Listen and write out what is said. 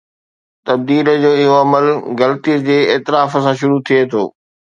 تبديلي جو اهو عمل غلطي جي اعتراف سان شروع ٿئي ٿو.